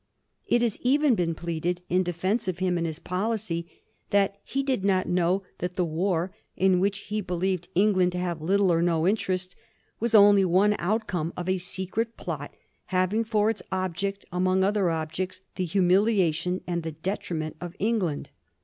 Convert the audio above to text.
It has even been pleaded, in defence of him and his policy, that he did not know that the war, in which he believed Eng land to have little or no interest, was only one outcome of a secret plot, having for its object, among other objects, the humiliation and the detriment of England.